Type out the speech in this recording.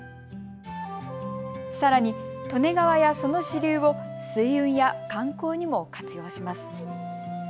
さらに利根川やその支流を水運や観光にも活用します。